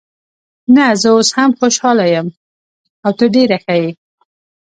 نه، زه اوس هم خوشحاله یم او ته ډېره ښه یې.